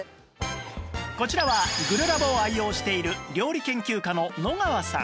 こちらはグルラボを愛用している料理研究家の野川さん